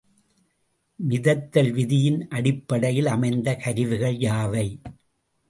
மிதத்தல் விதியின் அடிப்படையில் அமைந்த கருவிகள் யாவை?